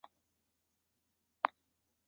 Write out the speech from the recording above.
第一次世界大战结束